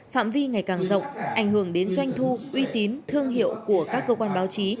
phạm vi ngày càng rộng ảnh hưởng đến doanh thu uy tín thương hiệu của các cơ quan báo chí